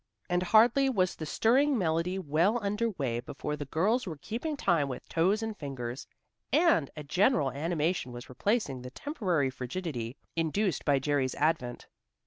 And hardly was the stirring melody well under way before the girls were keeping time with toes and fingers, and a general animation was replacing the temporary frigidity induced by Jerry's advent.